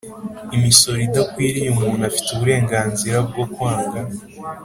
Imisoro idakwiriye umuntu afite uburenganzira bwo kwanga